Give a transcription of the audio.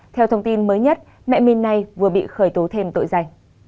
theo thông tin mới nhất mẹ mình này vừa bị khởi tố thêm tội danh